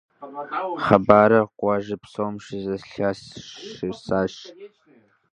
Хъыбарыр къуажэ псом щызэлъащӀысащ.